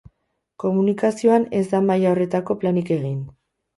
Komunikazioan ez da maila horretako planik egin.